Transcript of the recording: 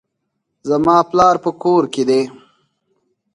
زما پلار په کور کښي دئ.